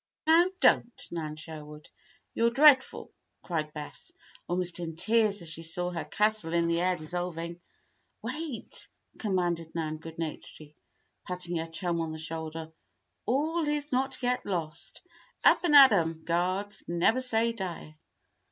"Now, don't, Nan Sherwood! You're dreadful!" cried Bess, almost in tears as she saw her castle in the air dissolving. "Wait!" commanded Nan, good naturedly patting her chum on the shoulder. "All is not yet lost! Up and at 'em, guards! Never say die!"